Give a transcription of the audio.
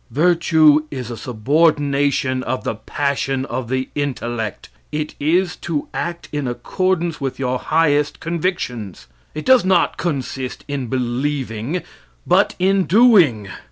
Virtue is a subordination of the passion of the intellect. It is to act in accordance with your highest convictions. It does not consist in believing, but in doing.